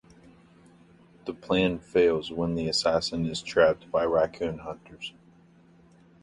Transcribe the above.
The plan fails when the assassin is trapped by racoon hunters.